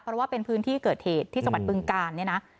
เพราะว่าเป็นพื้นที่เกิดเหตุที่จังหวัดบึงกาลเนี่ยนะ